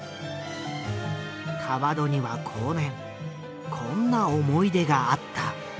川戸には後年こんな思い出があった。